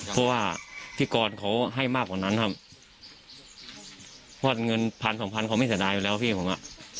เพราะว่าพี่กรเขาให้มากกว่านั้นครับเพราะเงินพันสองพันเขาไม่เสียดายอยู่แล้วพี่ผมอ่ะ